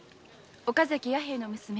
岡崎弥兵衛の娘